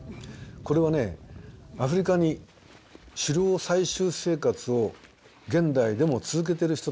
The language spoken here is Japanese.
これはアフリカに狩猟採集生活を現代でも続けてる人たちがいるんですね。